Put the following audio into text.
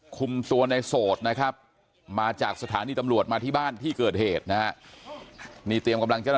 กลุ่มการสอบพอวัฒนภาคคลองกำนันผู้ใหญ่บ้านทั้งตัำรวจด้วย